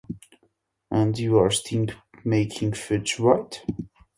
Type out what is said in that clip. And you're still making fudge, right?